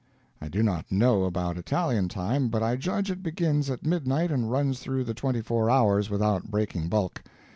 I do not know about Italian time, but I judge it begins at midnight and runs through the twenty four hours without breaking bulk.